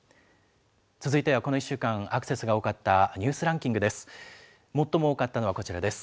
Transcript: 続いてはこの１週間、アクセスが多かったニュースランキングです。